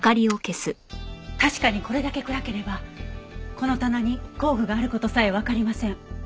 確かにこれだけ暗ければこの棚に工具がある事さえわかりません。